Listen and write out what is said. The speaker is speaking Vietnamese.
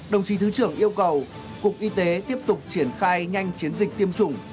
đồng chí thứ trưởng yêu cầu cục y tế tiếp tục triển khai nhanh chiến dịch tiêm chủng